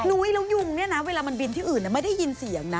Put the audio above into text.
นุ้ยแล้วยุงเนี่ยนะเวลามันบินที่อื่นไม่ได้ยินเสียงนะ